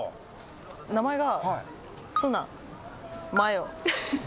名前が。